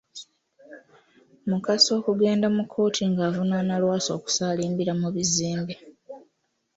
Mukasa okugenda mu kkooti ng’avunaana Lwasa okusaalimbira mu bizimbe.